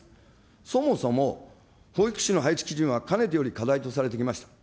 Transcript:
そもそも保育士の配置基準はかねてより課題とされてきました。